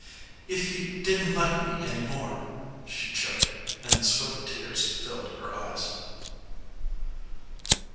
"If you didn't like me any more " She choked and the swift tears filled her eyes.